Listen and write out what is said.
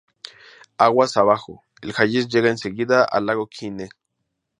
Aguas abajo, el Hayes llega enseguida al lago Knee.